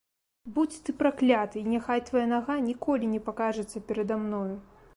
Будзь ты пракляты, і няхай твая нага ніколі не пакажацца перада мною!